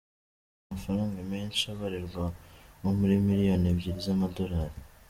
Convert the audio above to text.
Ni amafaranga menshi abarirwa nko muri miliyoni ebyiri z’amadorali.